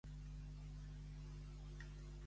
Qui en són els personatges principals?